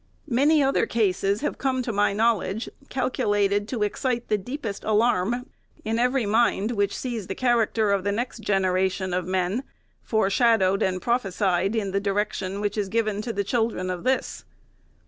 Many other cases have come to my knowl edge, calculated to excite the deepest alarm in every mind which sees the character of the next generation of men foreshadowed and prophesied in the direction which is given to the children of this.